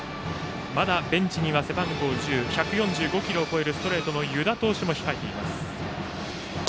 まだベンチには背番号１０１４５キロを超えるストレートのストレートの湯田投手も控えています。